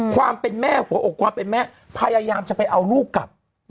ความเป็นแม่หัวอกความเป็นแม่พยายามจะไปเอาลูกกลับ